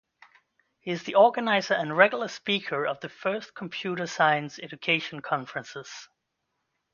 He is the organizer and regular speaker of the first computer science education conferences.